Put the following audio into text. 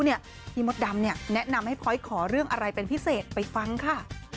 พี่มดดำแนะนำให้พลอยขอเรื่องอะไรเป็นพิเศษไปฟังค่ะ